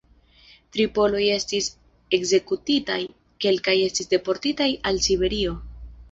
Tri poloj estis ekzekutitaj, kelkaj estis deportitaj al Siberio.